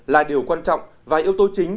là điều quan trọng và yếu tố chính